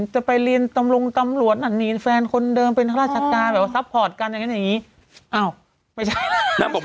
ซัพพอร์ชยังไงยังงี้อ้าวไม่ใช่น่าบอกว่าไปรอบเซ็ตหนึ่ง